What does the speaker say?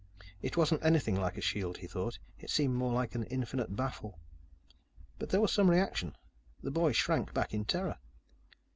It wasn't anything like a shield, he thought. It seemed more like an infinite baffle. But there was some reaction. The boy shrank back in terror.